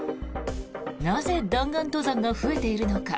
なぜ弾丸登山が増えているのか。